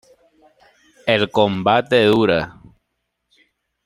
El combate dura.